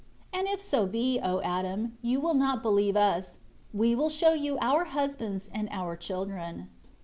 And if so be, O Adam, you will not believe us, we will show you our husbands and our children."